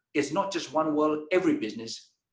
bukan hanya satu dunia setiap bisnis